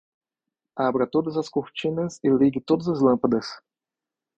Abra todas as cortinas e ligue todas as lâmpadas